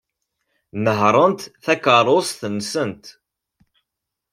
Nehhṛent takeṛṛust-nsent.